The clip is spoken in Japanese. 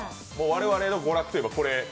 我々の娯楽といえばこれ。